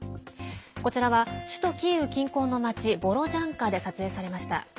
こちらは、首都キーウ近郊の町ボロジャンカで撮影されました。